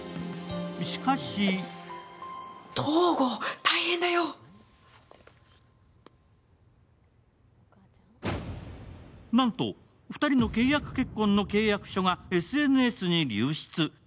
しかしなんと２人の契約結婚の契約書がＳＮＳに流出。